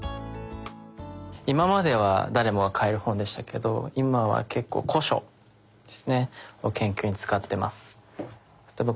今までは誰もが買える本でしたけど今は結構古書ですねを研究に使ってます。